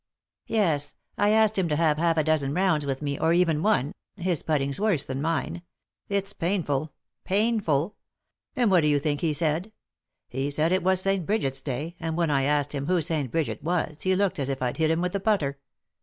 " Yes ; I asked him to have half a dozen rounds with me, or even one— his putting's worse than mine ; it's painful 1 painful I And what do you think he said ? He said it was St. Brigit's day ; and when I asked him who St. Brigit was he looked as if I'd hit him with the putter.